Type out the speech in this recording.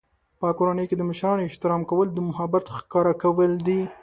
په کورنۍ کې د مشرانو احترام کول د محبت ښکاره کول دي.